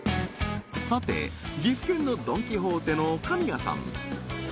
さて岐阜県のドン・キホーテの神谷さん